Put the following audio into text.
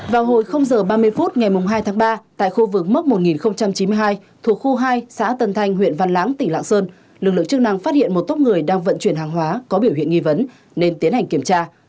vào hồi h ba mươi phút ngày hai tháng ba tại khu vực mốc một nghìn chín mươi hai thuộc khu hai xã tân thanh huyện văn lãng tỉnh lạng sơn lực lượng chức năng phát hiện một tốc người đang vận chuyển hàng hóa có biểu hiện nghi vấn nên tiến hành kiểm tra